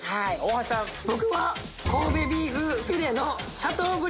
僕は。